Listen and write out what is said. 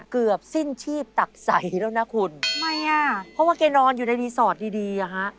เพราะว่าเก๊นอนอยู่ในดีสอร์ทดีอะฮะ